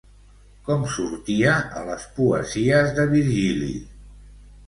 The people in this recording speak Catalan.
Com sortia a les poesies de Virgili?